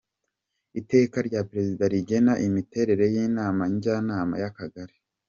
Iteka rya Perezida rigena imiterere y‟Inama Njyanama y‟Akagari ;